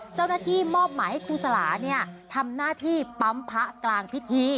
เจ้าหน้าที่มอบหมายให้ครูสลาเนี่ยทำหน้าที่ปั๊มพระกลางพิธี